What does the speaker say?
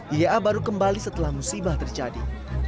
ia baru kembali setelah musibah terjadi